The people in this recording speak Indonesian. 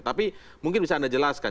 tapi mungkin bisa anda jelaskan